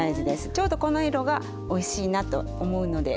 ちょうどこの色がおいしいなと思うので。